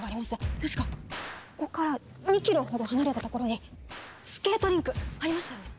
確かここから２ｋｍほど離れた所にスケートリンクありましたよね？